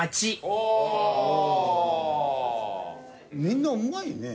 みんなうまいね。